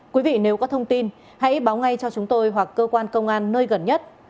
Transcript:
quý vị nếu có thông tin hãy báo ngay cho chúng tôi hoặc cơ quan công an nơi gần nhất